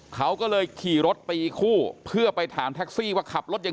เขาก็เลยขี่รถตีคู่เพื่อไปถามแท็กซี่ว่าขับรถยัง